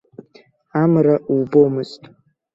Амра убомызт.